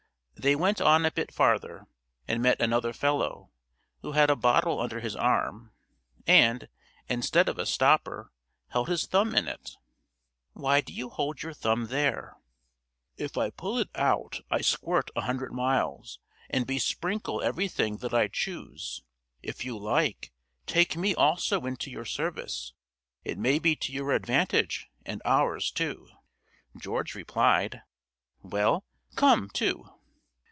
They went on a bit farther, and met another fellow, who had a bottle under his arm, and, instead of a stopper, held his thumb in it. "Why do you hold your thumb there?" "If I pull it out, I squirt a hundred miles, and besprinkle everything that I choose. If you like, take me also into your service; it may be to your advantage and ours too." George replied: "Well, come, too!"